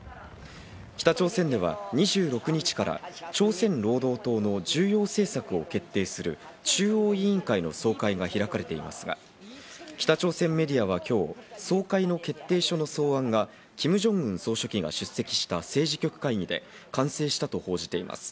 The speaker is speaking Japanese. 北朝鮮では２６日から朝鮮労働党の重要政策を決定する中央委員会の総会が開かれていますが、北朝鮮メディアは今日、総会の決定書の草案がキム・ジョンウン総書記が出席した政治局会議で完成したと報じています。